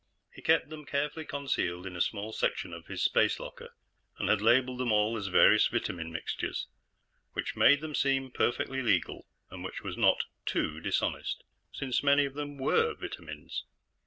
He kept them carefully concealed in a small section of his space locker, and had labeled them all as various vitamin mixtures, which made them seem perfectly legal, and which was not too dishonest, since many of them were vitamins.